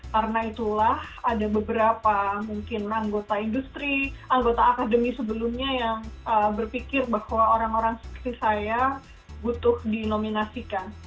karena itulah ada beberapa mungkin anggota industri anggota akademi sebelumnya yang berpikir bahwa orang orang seperti saya butuh dinominasikan